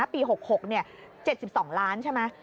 ปี๖๖เนี่ย๗๒ล้านใช่ไหม